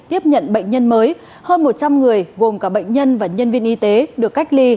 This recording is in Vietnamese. tiếp nhận bệnh nhân mới hơn một trăm linh người gồm cả bệnh nhân và nhân viên y tế được cách ly